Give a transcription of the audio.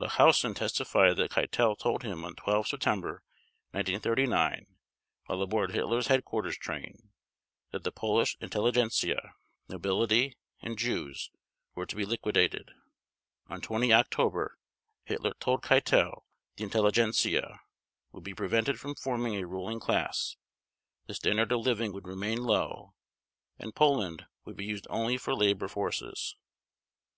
Lahousen testified that Keitel told him on 12 September 1939, while aboard Hitler's headquarters train, that the Polish intelligentsia, nobility, and Jews were to be liquidated. On 20 October, Hitler told Keitel the intelligentsia would be prevented from forming a ruling class, the standard of living would remain low, and Poland would be used only for labor forces.